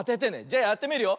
じゃやってみるよ。